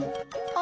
あ！